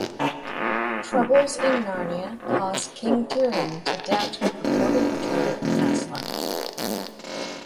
Troubles in Narnia cause King Tirian to doubt the purported return of Aslan.